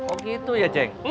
oh gitu ya ceng